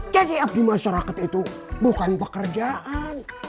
jadi habis masyarakat itu bukan pekerjaan